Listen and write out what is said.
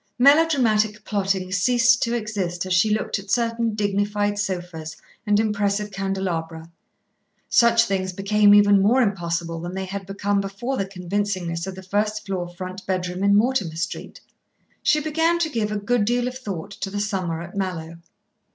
Melodramatic plotting ceased to exist as she looked at certain dignified sofas and impressive candelabra. Such things became even more impossible than they had become before the convincingness of the first floor front bedroom in Mortimer Street, She began to give a good deal of thought to the summer at Mallowe.